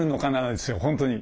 ですよ本当に。